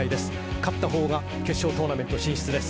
勝ったほうが決勝トーナメント進出です。